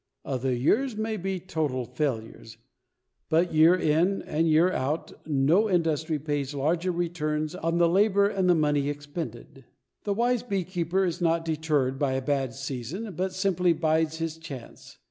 Other years may be total failures, but year in and year out no industry pays larger returns on the labor and money expended. The wise beekeeper is not deterred by a bad season but simply bides his chance.